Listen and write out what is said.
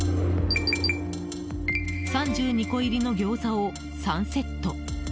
３２個入りのギョーザを３セット。